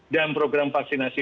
dan program vaksinasi